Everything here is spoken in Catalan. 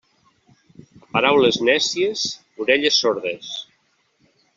A paraules nècies, orelles sordes.